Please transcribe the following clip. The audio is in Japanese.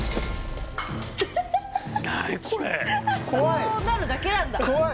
こうなるだけなんだ。